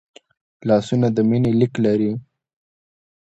لاسونه د مینې لیک لري